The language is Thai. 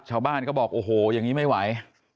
ชาวบ้านก็บอกโอ้โหอย่างนี้ไม่ไหว